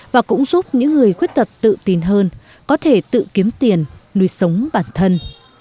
và cũng giúp những người khuyết tật tự tin hơn có thể tự kiếm tiền nuôi sống bản thân